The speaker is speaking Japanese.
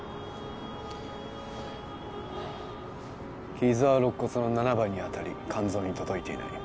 傷は肋骨の７番に当たり肝臓に届いていない